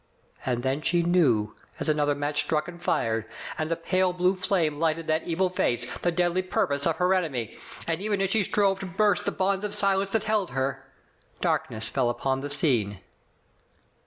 And then she knew, as another match struck and fired, and the pale blue flame lighted that evil face, the deadly purpose of her enemy. And even as she strove to burst the bonds of silence that held her, darkness fell upon the scene.